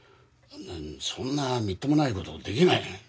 そんなみっともないことできない。